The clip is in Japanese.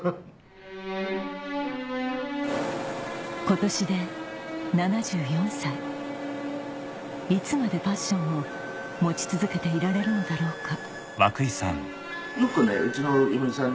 今年で７４歳いつまでパッションを持ち続けていられるのだろうか